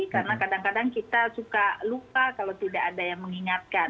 karena kadang kadang kita suka lupa kalau tidak ada yang mengingatkan